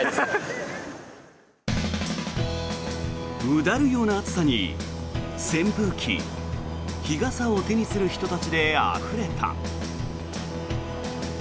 うだるような暑さに扇風機、日傘を手にする人たちであふれた。